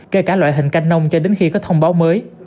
kể cả loại hình canh nông cho đến khi có thông báo mới